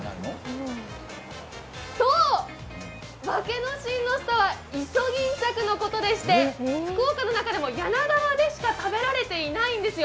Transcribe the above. そう、ワケノシンノスとはイソギンチャクのことでして福岡の中でも柳川でしか食べられていないんですよ。